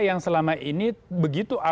yang selama ini begitu